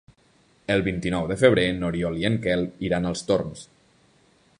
El vint-i-nou de febrer n'Oriol i en Quel iran als Torms.